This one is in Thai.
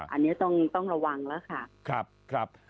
อันนี้ต้องระวังแล้วค่ะ